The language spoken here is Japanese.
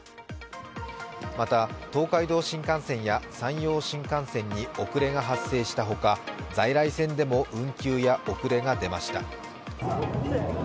また、東海道新幹線や山陽新幹線に遅れが発生したほか在来線でも運休や遅れが出ました。